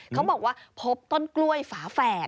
เขาบอกว่าพบต้นกล้วยฝาแฝด